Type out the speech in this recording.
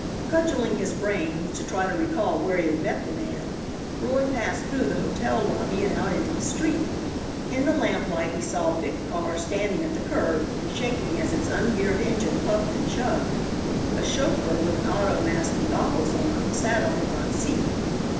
Cudgelling his brains to try to recall where he had met the man, Roy passed through the hotel lobby and out into the street. In the lamplight he saw a big car standing at the curb, shaking as its ungeared engine puffed and chugged. A chauffeur, with an auto mask and goggles on, sat on the front seat.